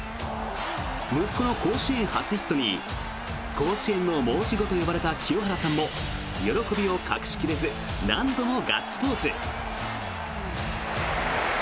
息子の甲子園初ヒットに甲子園の申し子と呼ばれた清原さんも喜びを隠し切れず何度もガッツポーズ。